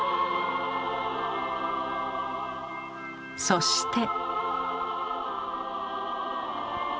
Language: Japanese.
そして。